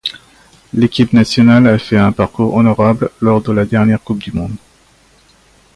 L'équipe nationale a fait un parcours honorable lors de la dernière Coupe du monde.